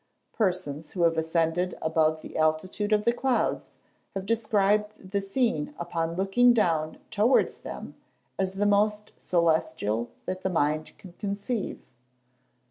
Persons who have ascended above the altitude of the clouds, have described the scene upon looking down towards them as the most celestial that the mind can conceive.